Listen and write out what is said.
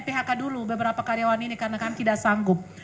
phk dulu beberapa karyawan ini karena kan tidak sanggup